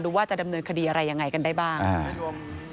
ดูว่าจะดำเนินคดีอะไรแบบไหน